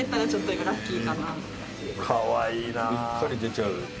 うっかり出ちゃう。